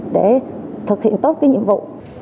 để thực hiện tốt cái nhiệm vụ